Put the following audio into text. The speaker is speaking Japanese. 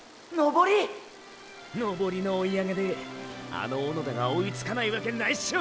登りの追い上げであの小野田が追いつかないわけないショ！